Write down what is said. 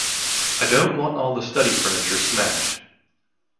I don't want all the study furniture smashed.